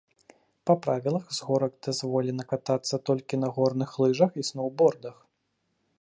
Па правілах, з горак дазволена катацца толькі на горных лыжах і сноўбордах.